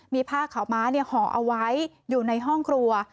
มีผ้าขาวม้าห่อเอาไว้อยู่ในห้องครัว